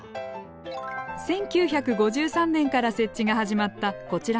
１９５３年から設置が始まったこちらの公衆電話。